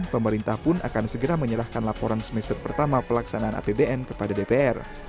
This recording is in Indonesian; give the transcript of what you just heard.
pemerintah pun akan segera menyerahkan laporan semester pertama pelaksanaan apbn kepada dpr